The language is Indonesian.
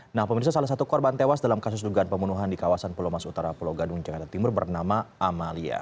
nah pemirsa salah satu korban tewas dalam kasus dugaan pembunuhan di kawasan pulau mas utara pulau gadung jakarta timur bernama amalia